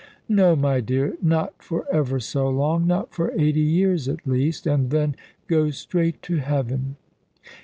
"No, my dear, not for ever so long. Not for eighty years at least. And then go straight to heaven!"